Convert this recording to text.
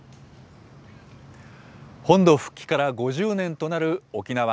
本土復帰から５０年となる沖縄。